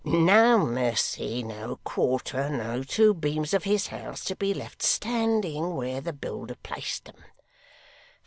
No mercy, no quarter, no two beams of his house to be left standing where the builder placed them!